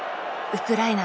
ウクライナ！